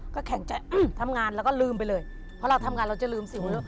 ก็แข็งใจทำงานแล้วก็ลืมไปเลยเพราะเราทำงานเราจะลืมสิ่งของเรา